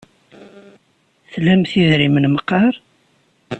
Tlamt idrimen meqqar?